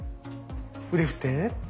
腕振って。